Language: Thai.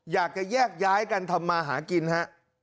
อยากจะแยกย้ายกันทำมาหากินฮะ